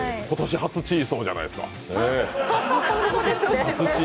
今年初チーソーじゃないですか。